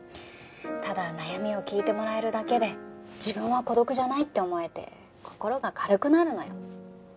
ただ悩みを聞いてもらえるだけで自分は孤独じゃないって思えて心が軽くなるのよ。